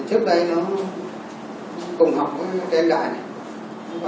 trước đây nó cùng học với trần thành đại